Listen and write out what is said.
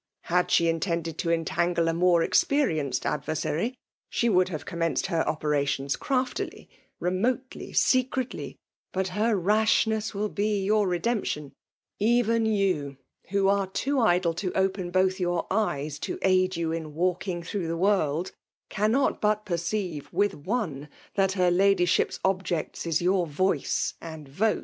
Had she intended to entangle a more experi enced adversary, she would have commenced her operations craftily — remotely — secretly; but her rashness will be your redemption. Even you, who arc too idle to open both your eyes to aid you in walking through the world, cannot but perceive, with one, that her Lady ship's object is your voice and vote."